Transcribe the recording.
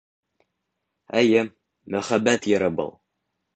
Эйе, «Мөхәббәт йыры» был.